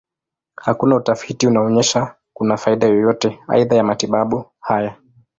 Hakuna utafiti unaonyesha kuna faida yoyote aidha ya matibabu haya.